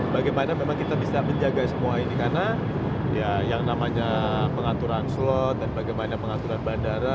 bagaimana memang kita bisa menjaga semua ini karena ya yang namanya pengaturan slot dan bagaimana pengaturan bandara